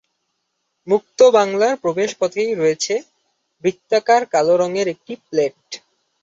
মুক্ত বাংলার প্রবেশ পথেই রয়েছে বৃত্তাকার কালো রঙের একটি প্লেট।